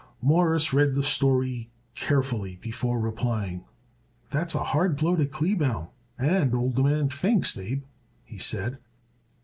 Morris read the story carefully before replying. "That's a hard blow to Kleebaum and old man Pfingst, Abe," he said.